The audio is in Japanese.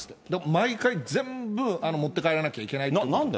毎回全部持って帰らなきゃいけないって。